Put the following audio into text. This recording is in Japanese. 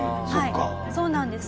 はいそうなんです。